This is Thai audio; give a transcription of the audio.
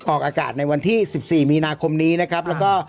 ออกอากาศในวันที่๑๔มีนาคมนี้นะครับแล้วก็